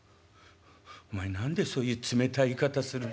「お前何でそういう冷たい言い方するの？